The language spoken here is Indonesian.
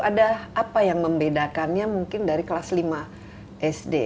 ada apa yang membedakannya mungkin dari kelas lima sd